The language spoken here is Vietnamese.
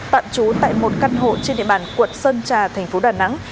tạm trú tại một căn hộ trên địa bàn quận sơn trà thành phố đà nẵng